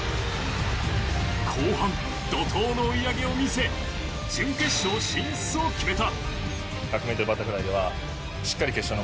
後半、怒涛の追い上げを見せ準決勝進出を決めた。